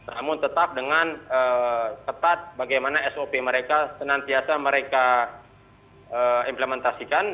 namun tetap dengan ketat bagaimana sop mereka senantiasa mereka implementasikan